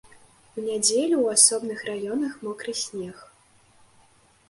У нядзелю ў асобных раёнах мокры снег.